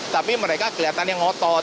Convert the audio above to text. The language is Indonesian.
tapi mereka kelihatannya ngotot